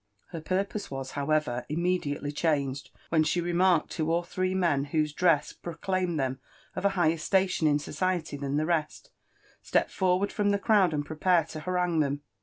Her purpose was, however, immediately changed when she re marked two or three men whose dress proclaimed them of a higher station in society than the rest, step forward from the crowd and pre pare to harangue them.